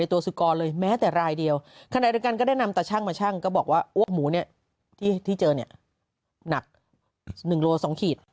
ฉันก็ได้นำตาช่างมาช่างก็บอกว่าอ้วกหมูเนี่ยที่เจอเนี่ยหนัก๑โล๒ขีด